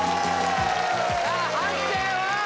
さあ判定は？